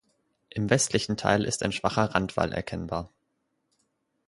Im westlichen Teil ist ein schwacher Randwall erkennbar.